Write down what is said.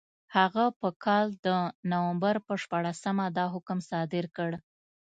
هغه په کال د نومبر په شپاړسمه دا حکم صادر کړ.